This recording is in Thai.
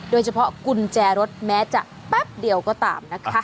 โดยเฉพาะกุญแจรถแม้จะแป๊บเดียวก็ตามนะคะ